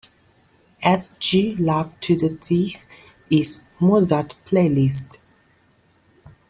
Add g love to the This Is Mozart playlist.